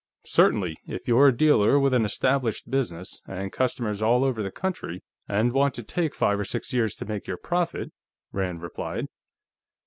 "Certainly, if you're a dealer with an established business, and customers all over the country, and want to take five or six years to make your profit," Rand replied.